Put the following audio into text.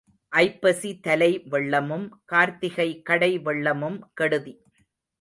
ஐப்பசி தலை வெள்ளமும் கார்த்திகை கடை வெள்ளமும் கெடுதி.